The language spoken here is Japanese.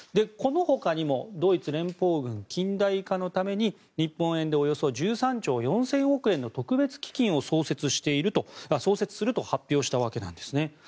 この他にもドイツ連邦軍近代化のために日本円でおよそ１３兆４０００億円の特別基金を創設すると発表したわけなんです。